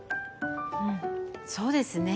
うんそうですね。